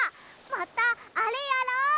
またあれやろう！